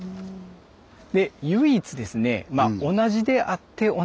で唯一ですね